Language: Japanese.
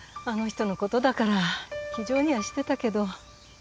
あの人のことだから気丈にはしてたけど。